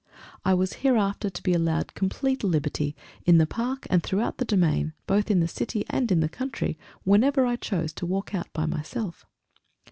I was hereafter to be allowed complete liberty, in the Park, and throughout the Domain, both in the city and in the country, whenever I chose to walk out by myself.